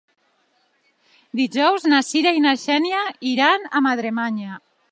Dijous na Cira i na Xènia iran a Madremanya.